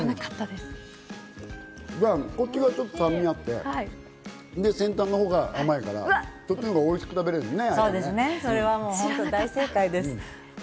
こっち側がちょっと酸味があって、先端のほうが甘いから、そっちのほうがおいしく食べられるんですよね？